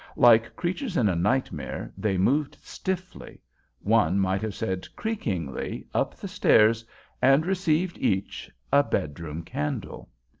Like creatures in a nightmare, they moved stiffly, one might have said creakingly, up the stairs and received each—a bedroom candle!